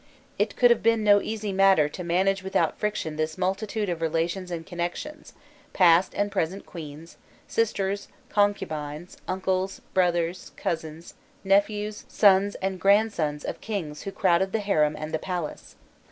It could have been no easy matter to manage without friction this multitude of relations and connections, past and present queens, sisters, concubines, uncles, brothers, cousins, nephews, sons and grandsons of kings who crowded the harem and the palace.